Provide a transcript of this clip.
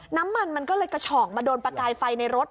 น้ำมันมันก็เลยกระฉ่องมาโดนประกายไฟในรถ